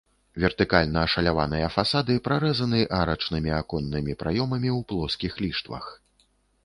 Вертыкальна ашаляваныя фасады прарэзаны арачнымі аконнымі праёмамі ў плоскіх ліштвах.